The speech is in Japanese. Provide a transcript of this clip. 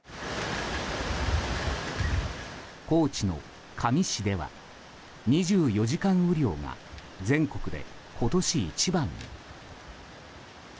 高知の香美市では２４時間雨量が全国で今年一番に。